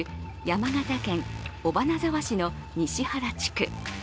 山形県尾花沢市の西原地区。